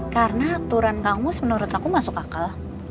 karena aturan kamu menurut aku masuk akal